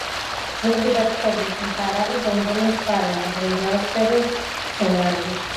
ზურგი და ფრთების მფარავი ბუმბული მწვანეა ბრინჯაოსფერი ბზინვარებით.